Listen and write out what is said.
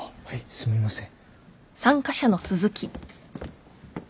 すみません。